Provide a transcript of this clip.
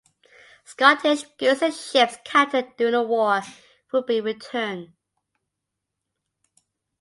Scottish goods and ships captured during the war would be returned.